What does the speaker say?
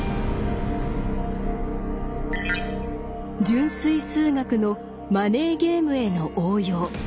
純粋数学のマネーゲームへの応用。